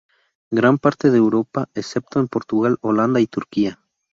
Gran parte de Europa, excepto en Portugal, Holanda y Turquía.